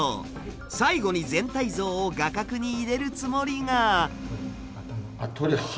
最後に全体像を画角に入れるつもりが。